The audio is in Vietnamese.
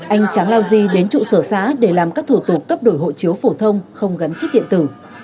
anh tráng lao di đến trụ sở xã để làm các thủ tục cấp đổi hộ chiếu phổ thông không gắn chip điện tử